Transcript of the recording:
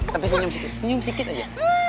tapi senyum sikit senyum sikit aja